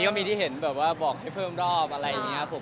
ก็มีที่เห็นแบบว่าบอกให้เพิ่มรอบอะไรอย่างนี้ครับผม